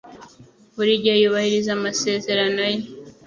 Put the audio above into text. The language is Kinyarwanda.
Buri gihe yubahiriza amasezerano ye.